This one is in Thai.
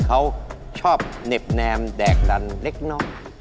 เขาชอบเหน็บแนมแดกดันเล็กน้อย